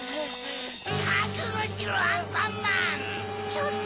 ちょっと！